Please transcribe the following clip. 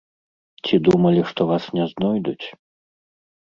Ці думалі, што вас не знойдуць?